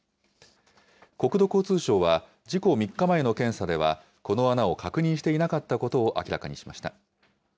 国土交通省は、事故３日前の検査では、この穴を確認していなかったことを明らかにしました。